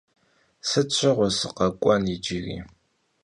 Sıt şığue sıkhek'uen yicıri?